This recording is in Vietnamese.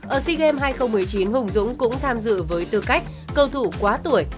sea games hai nghìn một mươi chín hùng dũng cũng tham dự với tư cách cầu thủ quá tuổi